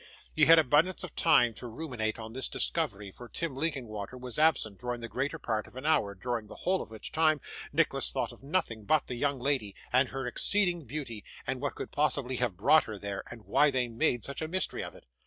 He had abundance of time to ruminate on this discovery, for Tim Linkinwater was absent during the greater part of an hour, during the whole of which time Nicholas thought of nothing but the young lady, and her exceeding beauty, and what could possibly have brought her there, and why they made such a mystery of it.